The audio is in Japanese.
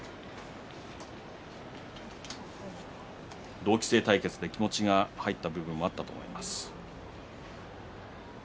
同期生対決で気持ちが入った部分もあったと思います。